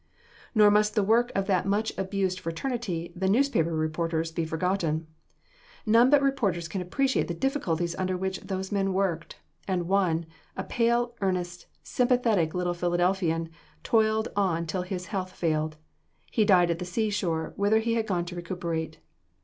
Nor must the work of that much abused fraternity, the newspaper reporters be forgotten. None but reporters can appreciate the difficulties under which those men worked; and one, a pale, earnest, sympathetic little Philadelphian, toiled on till his health failed. He died at the sea shore, whither he had gone to recuperate.